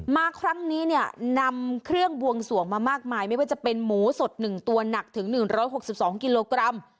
มาครั้งนี้เนี่ยนำเครื่องบวงสวงมามากมายไม่ว่าจะเป็นหมูสด๑ตัวหนักถึง๑๖๒กิโลกรัม